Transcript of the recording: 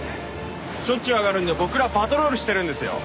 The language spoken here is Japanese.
しょっちゅうあがるんで僕らパトロールしてるんですよ。